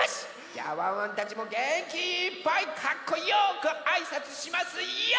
じゃあワンワンたちもげんきいっぱいかっこよくあいさつしますＹＯ！